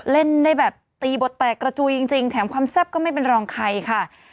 เล่นได้แบบตีบทแตกกระจุยจริงแถมความแซ่บก็ไม่เป็นรองใครค่ะ